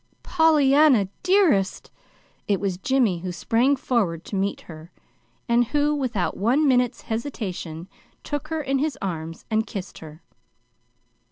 "Pollyanna, dearest!" It was Jimmy who sprang forward to meet her, and who, without one minute's hesitation, took her in his arms and kissed her.